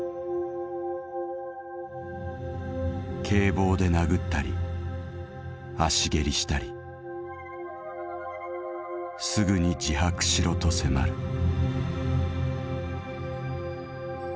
「警棒で殴ったり足蹴りしたり『すぐに自白しろ』と迫る」。